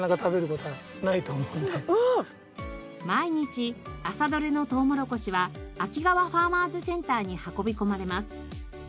毎日朝どれのとうもろこしは秋川ファーマーズセンターに運び込まれます。